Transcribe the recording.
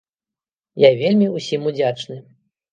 Я вельмі ўсім удзячны!